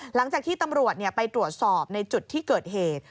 หลังจากที่ตำรวจไปตรวจสอบในจุดที่เกิดเหตุ